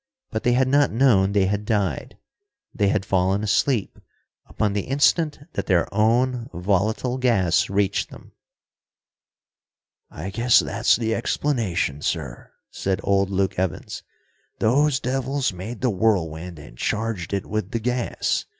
But they had not known they had died. They had fallen asleep upon the instant that their own volatile gas reached them. "I guess that's the explanation, sir," said old Luke Evans. "Those devils made the whirlwind and charged it with the gas.